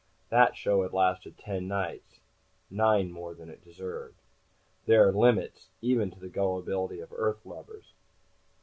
That show had lasted ten nights nine more than it deserved to. There are limits, even to the gullibility of Earth lubbers.